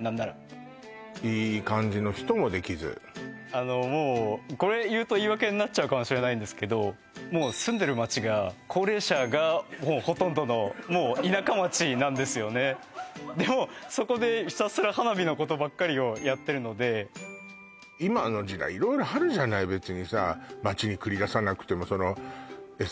何ならあのもうこれ言うと言い訳になっちゃうかもしれないんですけどもう住んでる町が高齢者がもうほとんどのもう田舎町なんですよねでもうそこでひたすら花火のことばっかりをやってるので今の時代色々あるじゃない別にさ街に繰り出さなくてもそのあ